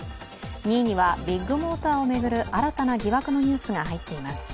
２位にはビッグモーターを巡る新たな疑惑のニュースが入っています。